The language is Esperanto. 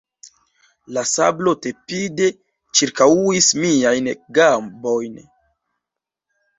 La sablo tepide ĉirkaŭis miajn gambojn.